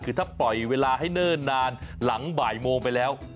คือถ้าปล่อยเวลาให้เนิ่นนานหลังบ่ายโมงไปแล้ว